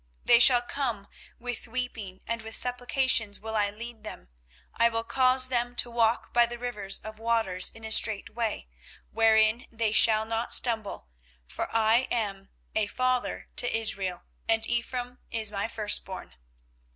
24:031:009 They shall come with weeping, and with supplications will I lead them: I will cause them to walk by the rivers of waters in a straight way, wherein they shall not stumble: for I am a father to Israel, and Ephraim is my firstborn.